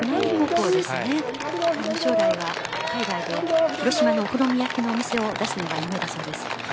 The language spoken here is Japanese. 将来は海外で広島のお好み焼きのお店を出すのが夢だそうです。